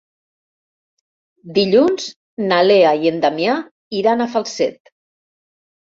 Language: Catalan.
Dilluns na Lea i en Damià iran a Falset.